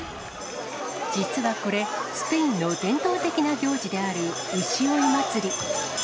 実はこれ、スペインの伝統的な行事である牛追い祭り。